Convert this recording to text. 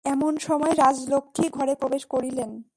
এমন সময় রাজলক্ষ্মী ঘরে প্রবেশ করিলেন।